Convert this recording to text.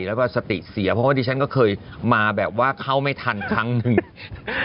แล้วก็สติเสียเพราะว่าดิฉันก็เคยมาแบบว่าเข้าไม่ทันครั้งหนึ่ง